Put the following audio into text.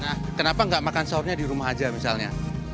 nah kenapa nggak makan sahurnya di rumah aja misalnya